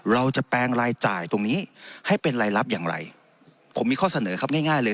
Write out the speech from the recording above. เราจะแปลงรายจ่ายตรงนี้ให้เป็นรายลับอย่างไรผมมีข้อเสนอครับง่ายง่ายเลย